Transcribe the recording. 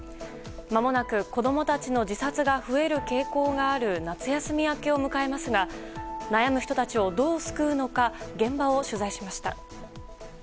まもなく子供たちの自殺が増える傾向がある夏休み明けを迎えますが悩む人たちをどう救うのか現場を取材しました。